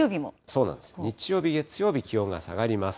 そうなんです、日曜日、月曜日、気温が下がります。